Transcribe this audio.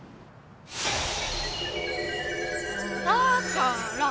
だから！